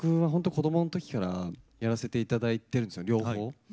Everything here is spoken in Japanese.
僕は子どものときからやらせていただいているんですよ両方を。